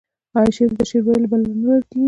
آیا شاعر ته د شعر ویلو بلنه نه ورکول کیږي؟